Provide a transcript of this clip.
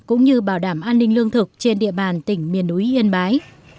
cũng như bảo đảm an ninh lương thực trên địa bàn tỉnh miền núi yên bái